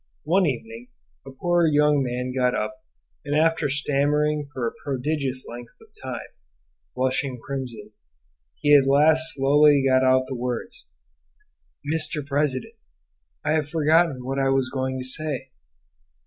One evening a poor young man got up, and after stammering for a prodigious length of time, blushing crimson, he at last slowly got out the words, "Mr. President, I have forgotten what I was going to say."